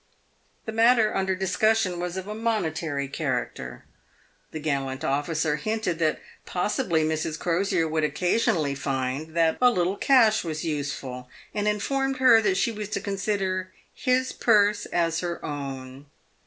The matter under discussion was of a monetary character. The gallant officer hinted that possibly Mrs. Crosier would occasionally find that a little cash was useful, and informed her that she was to consider his purse as her own.